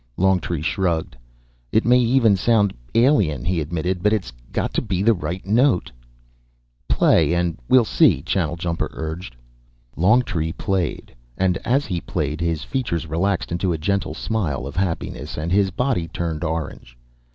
Longtree shrugged. "It may even sound alien," he admitted, "but it's got to be the right note." "Play, and we'll see," Channeljumper urged. Longtree played. And as he played, his features relaxed into a gentle smile of happiness and his body turned orange.